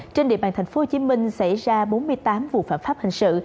trên địa bàn thành phố hồ chí minh xảy ra bốn mươi tám vụ phản pháp hành sự